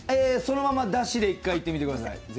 そのままだしで１回いってみてください。